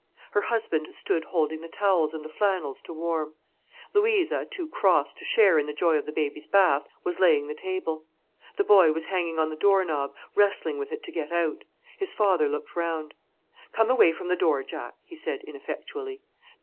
Her husband stood holding the towels and the flannels to warm. Louisa, too cross to share in the joy of the baby's bath, was laying the table. The boy was hanging on the door knob, wrestling with it to get out. His father looked round. "Come away from the door, Jack," he said, ineffectually.